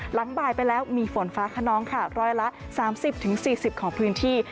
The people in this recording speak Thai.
หลังบ่ายไปแล้วมีฝนฟ้าขนองค่ะร้อยละ๓๐๔๐ของพื้นที่